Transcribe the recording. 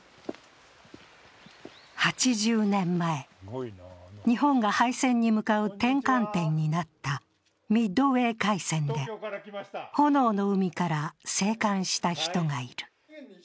８０年前、日本が敗戦に向かう転換点になったミッドウェー海戦で炎の海から生還した人がいる。